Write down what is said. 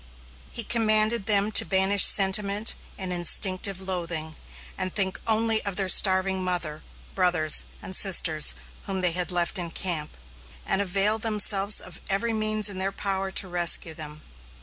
He commanded them to banish sentiment and instinctive loathing, and think only of their starving mother, brothers, and sisters whom they had left in camp, and avail themselves of every means in their power to rescue them.